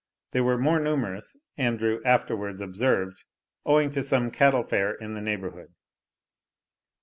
They were more numerous, Andrew afterwards observed, owing to some cattle fair in the neighbourhood.